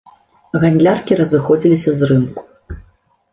Гандляркі разыходзіліся з рынку.